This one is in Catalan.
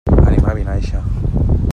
Anem a Vinaixa.